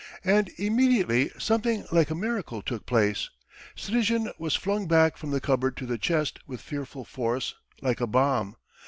And immediately something like a miracle took place. Strizhin was flung back from the cupboard to the chest with fearful force like a bomb.